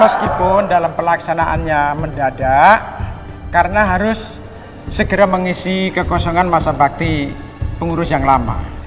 meskipun dalam pelaksanaannya mendadak karena harus segera mengisi kekosongan masa bakti pengurus yang lama